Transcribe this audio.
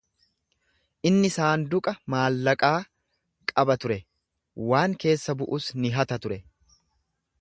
Inni saanduqa maallaqaa qaba ture, waan keessa bu’us ni hata ture.